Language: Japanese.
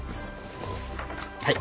はい。